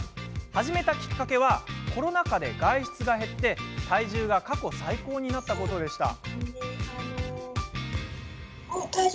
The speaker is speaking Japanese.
始めたきっかけはコロナ禍で外出が減って、体重が過去最高になったことでした。